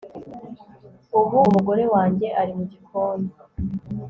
ubu umugore wanjye ari mu gikoni